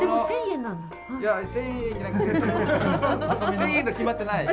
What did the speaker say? １，０００円と決まってない！